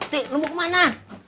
eh ti lu mau kemana